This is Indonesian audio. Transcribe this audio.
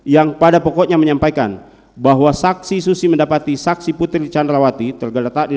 yang pada pokoknya menyampaikan bahwa saksi suci mendapati saksi putri candrawati tergelerta di depan kamar mandi